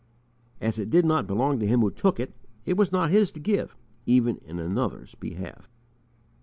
As it did not belong to him who took it, it was not his to give even in another's behalf.